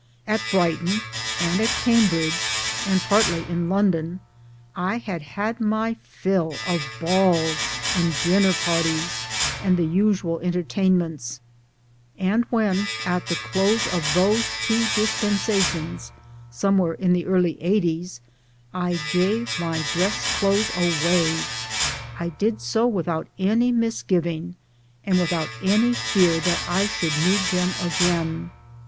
At Brighton and at Cambridge and MILLTHORPE AND. HOUSEHOLD LIFE 149 partly in London I had had my fill of balls and dinner parties and the usual entertainments, and when at the close of those two dispensations (somewhere in the early 'eighties) / gave my dress clothes away, I did so without any misgiving 1 and without any fear that I should need them again.